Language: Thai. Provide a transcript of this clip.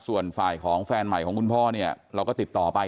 ส่วนฝ่ายของแฟนใหม่ของคุณพ่อเนี่ยเราก็ติดต่อไป